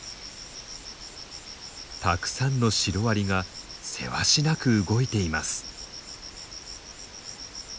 たくさんのシロアリがせわしなく動いています。